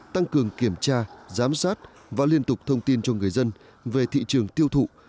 tăng cường kiểm tra giám sát và liên tục thông tin cho người dân về thị trường tiêu thụ